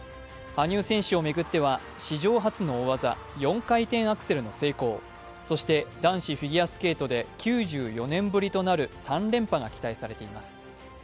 羽生選手を巡っては史上初の大技、４回転アクセルの成功そして男子フィギュアスケートで９４年ぶりとなる３連覇が期待されています。